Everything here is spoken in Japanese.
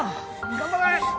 頑張れ！